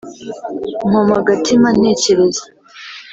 nkoma agatima: ntekereza.